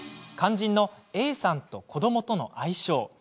肝心のＡさんと子どもとの相性。